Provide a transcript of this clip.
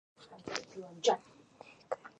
د چاپېریال ستونزې ځوانان اغېزمنوي.